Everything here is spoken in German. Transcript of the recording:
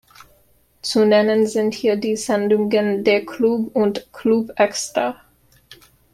Zu nennen sind hier die Sendungen „Der Club“ und „Club Extra“.